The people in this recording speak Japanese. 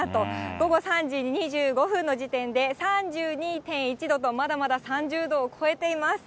午後３時２５分の時点で３２．１度と、まだまだ３０度を超えています。